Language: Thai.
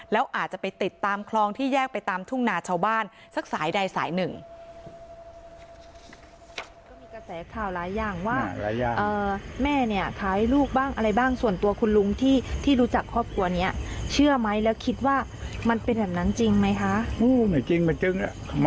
แล้วอาจจะไปติดตามคลองที่แยกไปตามทุ่งนาชาวบ้านสักสายใดสายหนึ่ง